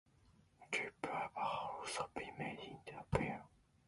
"Tulip Fever" has also been made into a film.